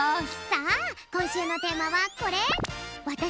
さあこんしゅうのテーマはこれ。